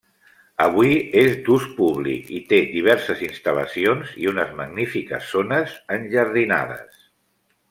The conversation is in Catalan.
Avui és d'ús públic i té diverses instal·lacions i unes magnífiques zones enjardinades.